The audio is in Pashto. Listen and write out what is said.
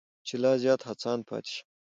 چې لا زیات هڅانده پاتې شم.